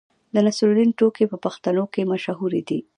د نصرالدین ټوکې په پښتنو کې مشهورې دي.